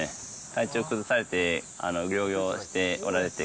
体調を崩されて療養しておられて